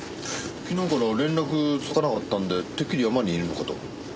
昨日から連絡つかなかったんでてっきり山にいるのかと。